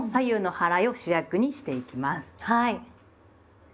はい。